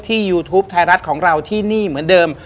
ยูทูปไทยรัฐของเราที่นี่เหมือนเดิม